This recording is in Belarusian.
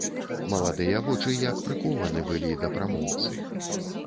Маладыя вочы як прыкованы былі да прамоўцы.